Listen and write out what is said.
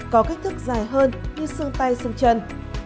có kích thước dài hơn như xương tay xương chân